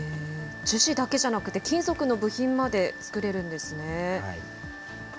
樹脂だけじゃなくて、金属の部品まで作れるんですね。